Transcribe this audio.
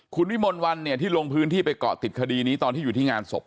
คุณวิมลวันเนี่ยที่ลงพื้นที่ไปเกาะติดคดีนี้ตอนที่อยู่ที่งานศพ